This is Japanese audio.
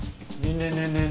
ねえねえねえね